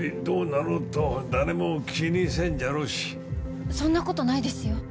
なろうと誰も気にせんじゃろうしそんなことないですよ